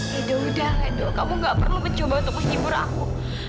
ya sudah do kamu tidak perlu mencoba untuk menyibur aku